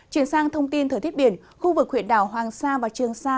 chuyển sang thông tin thời tiết biển khu vực huyện đảo hoàng sa và trường sa